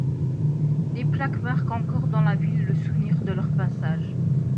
Des plaques marquent encore dans la ville le souvenir de leur passage.